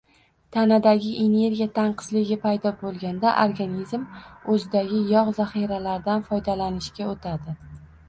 Tanada energiya tanqisligi paydo bo‘lganda organizm o‘zidagi yog‘ zaxiralaridan foydalanishga o‘tadi.